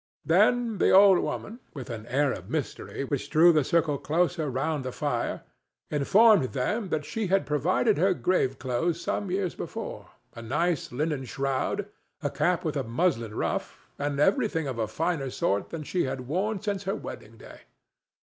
Then the old woman, with an air of mystery which drew the circle closer round the fire, informed them that she had provided her grave clothes some years before—a nice linen shroud, a cap with a muslin ruff, and everything of a finer sort than she had worn since her wedding day.